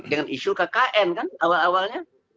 dengan isu kkn kan awal awalnya